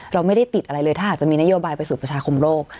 เราไม่ได้ติดอะไรเลยถ้าอาจจะมีนโยบายไปสู่ประชาคมโลก